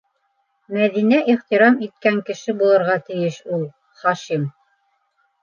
Мәҙинә ихтирам иткән кеше булырға тейеш ул. Хашим!